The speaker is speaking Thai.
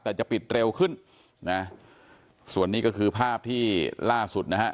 แต่จะปิดเร็วขึ้นนะส่วนนี้ก็คือภาพที่ล่าสุดนะฮะ